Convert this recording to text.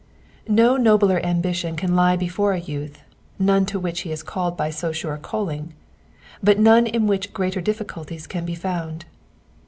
No nobler ambition can lie before a youth, none to which he is called by so sure a calling ; but none in which greater difficulties can be found.